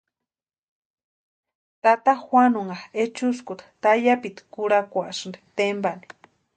Tata Juanunha ehuskuta tayapi kurhakusïnti tempani.